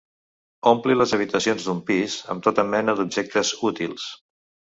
Ompli les habitacions d'un pis amb tota mena d'objectes útils.